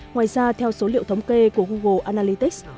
ngoài ra theo số liệu thống kê của google analalytics